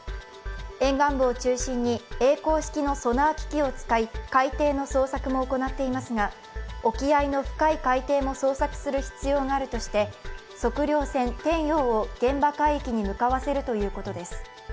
沿岸部を中心にえい航式のソナー機器を使い海底の捜索も行っていますが、沖合の深い海底も捜索する必要があるとして測量船「天洋」を現場海域に向かわせるということです。